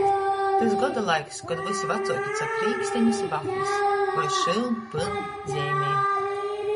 Tys goda laiks, kod vysi vacuoki cap rīksteņus i vaflis voi šyun, pyn, zeimej.